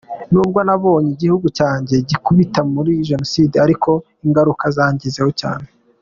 Nubwo ntabonye igihugu cyanjye gikubitika muri Jenoside ariko ingaruka zangezeho cyane.